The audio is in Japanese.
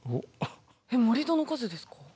えっ盛り土の数ですか？